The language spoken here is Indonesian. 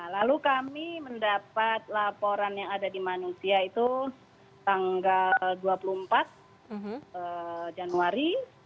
lalu kami mendapat laporan yang ada di manusia itu tanggal dua puluh empat januari